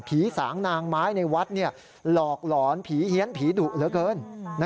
สางนางไม้ในวัดหลอกหลอนผีเฮียนผีดุเหลือเกิน